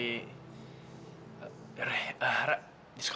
ya udah rek di sekolah aja besok ya